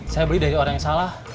saya beli dari orang yang salah